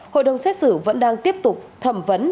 hội đồng xét xử vẫn đang tiếp tục thẩm vấn